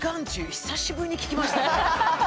久しぶりに聞きましたね。